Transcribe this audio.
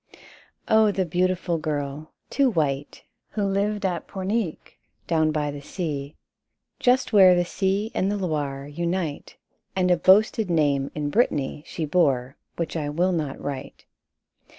Oh, the beautiful girl, too white, Who lived at Pornic, down by the sea, Just where the sea and the Loire unite ! And a boasted name in Brittany She bore, which I will not write.